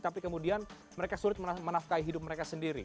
tapi kemudian mereka sulit menafkahi hidup mereka sendiri